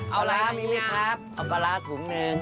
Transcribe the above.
เอาปลาร้ามิมิครับเอาปลาร้าถุงหนึ่ง